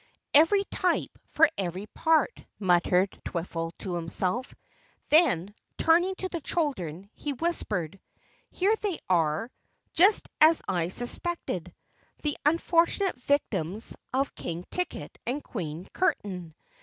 "Every type for every part," muttered Twiffle to himself. Then, turning to the children, he whispered, "Here they are, just as I suspected the unfortunate victims of King Ticket and Queen Curtain.